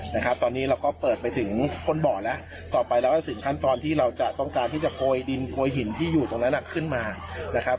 นะครับตอนนี้เราก็เปิดไปถึงคนบ่อแล้วต่อไปเราก็จะถึงขั้นตอนที่เราจะต้องการที่จะโกยดินโกยหินที่อยู่ตรงนั้นอ่ะขึ้นมานะครับ